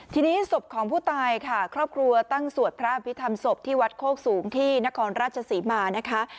ทีนี้ศพของผู้ตายค่ะครอบครัวตั้งสวดพระอภิษฐรรมศพที่วัดโคกสูงที่นครราชศรีมานะคะ